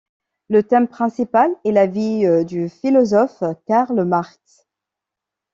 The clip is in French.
Le thème principal est la vie du philosophe Karl Marx.